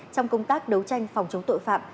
trong công tác đấu tranh phòng chống tội phạm